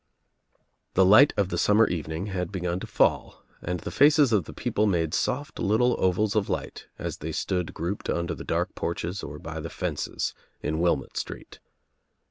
The light of the summer evening had begun to fall and the faces of the people made soft little ovals of light as they stood grouped under the dark porches or by the fences in Wllmott Street.